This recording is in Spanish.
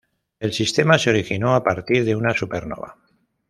El sistema se originó a partir de una supernova.